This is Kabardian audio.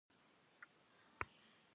Sıtu faşe helemet şığ nısaş'em.